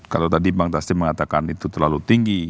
kalau tadi bang taslim mengatakan itu terlalu tinggi